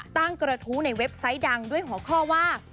กระทู้ในเว็บไซต์ดังด้วยหัวข้อว่า